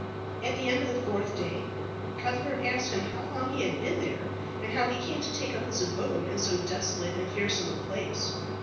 At the end of the fourth day Cuthbert asked him how long he had been there, and how he came to take up his abode in so desolate and fearsome a place.